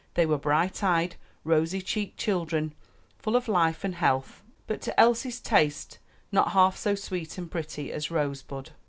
They were bright eyed, rosy cheeked children, full of life and health, but to Elsie's taste not half so sweet and pretty as Rosebud.